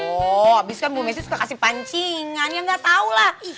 oh abis itu kan bu messi suka kasih pancingan ya gak tau lah